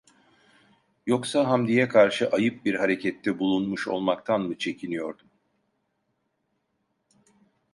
Yoksa Hamdi'ye karşı ayıp bir harekette bulunmuş olmaktan mı çekmiyordum?